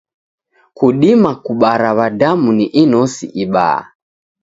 Kudima kubara w'adamu ni inosi ibaa.